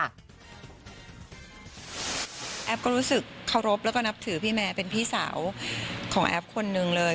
แอฟก็รู้สึกเคารพแล้วก็นับถือพี่แมร์เป็นพี่สาวของแอฟคนหนึ่งเลย